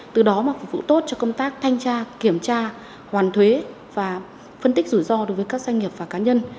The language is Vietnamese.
từ đó mà phục vụ tốt cho công tác thanh tra kiểm tra hoàn thuế và phân tích rủi ro đối với các doanh nghiệp và cá nhân